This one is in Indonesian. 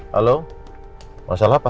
halo masalah apa